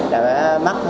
đã mất hai cái laptop